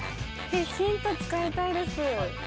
ヒント使いたいです。